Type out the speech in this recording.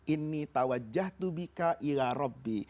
inni tawadjah tubika ila rabbi